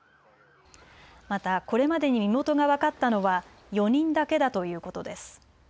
また、これまでに身元が分かったのは４人だけだということです。